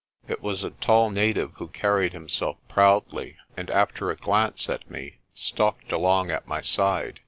It was a tall native who carried himself proudly, and after a glance at me, stalked along at my side.